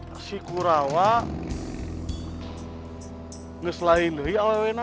ini si kurawa ngeselain dia ya awwtnya